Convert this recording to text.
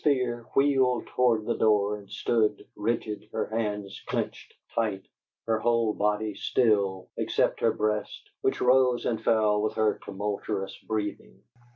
Fear wheeled toward the door and stood, rigid, her hands clenched tight, her whole body still, except her breast, which rose and fell with her tumultuous breathing.